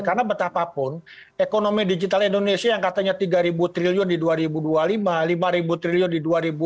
karena betapapun ekonomi digital indonesia yang katanya tiga triliun di dua ribu dua puluh lima lima triliun di dua ribu tiga puluh